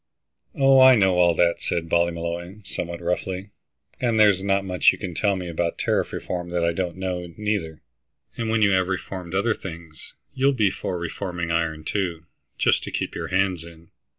"Oh, I know all that," said Ballymolloy, somewhat roughly, "and there's not much you can tell me about tariff reform that I don't know, neither. And when you have reformed other things, you'll be for reforming iron, too, just to keep your hands in.